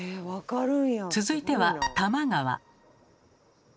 続いては多摩川。